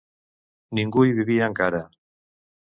Ningú hi vivia encara.